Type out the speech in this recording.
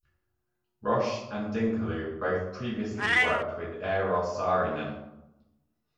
Roche and Dinkeloo both previously worked with Eero Saarinen.